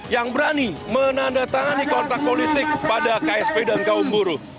yang berani menandatangani kontrak politik pada ksp dan kaum buruh